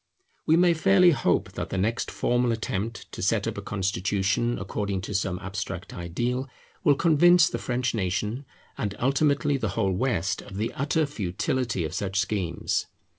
We may fairly hope that the next formal attempt to set up a constitution according to some abstract ideal, will convince the French nation, and ultimately the whole West, of the utter futility of such schemes.